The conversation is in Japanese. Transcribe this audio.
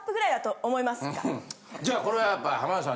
じゃあこれはやっぱり。